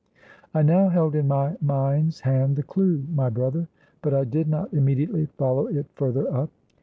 "I now held in my mind's hand the clew, my brother. But I did not immediately follow it further up.